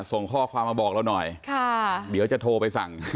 ส่งข้อความมาบอกเราหน่อยเดี๋ยวจะโทรไปสั่ง